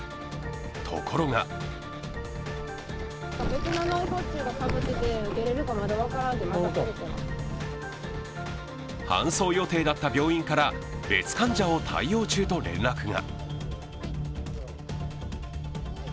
ところが搬送予定だった病院から別患者を対応中と連絡が。